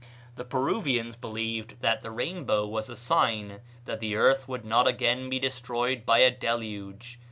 The Peruvians believed that the rainbow was a sign that the earth would not be again destroyed by a deluge.